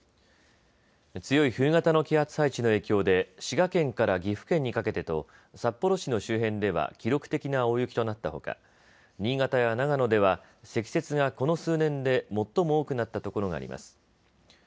強い冬型の気圧配置の影響で滋賀県から岐阜県にかけてと札幌市の周辺では記録的な大雪となったほか、新潟や長野では積雪がこの数年で最も多くなったところがあります。